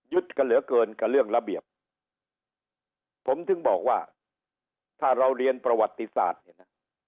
กันเหลือเกินกับเรื่องระเบียบผมถึงบอกว่าถ้าเราเรียนประวัติศาสตร์เนี่ยนะ